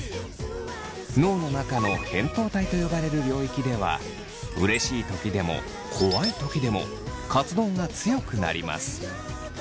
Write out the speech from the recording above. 脳の中の扁桃体と呼ばれる領域ではうれしい時でも怖い時でも活動が強くなります。